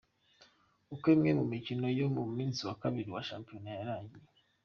Uko imwe mu mikino yo ku munsi wa Kabiri wa Shampiyona yarangiye:.